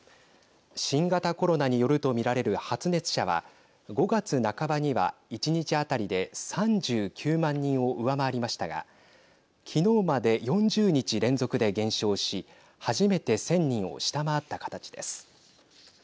新型コロナによると見られる発熱者は５月半ばには１日当たりで３９万人を上回りましたがきのうまで４０日連続で減少し初めて１０００人を下回った形です。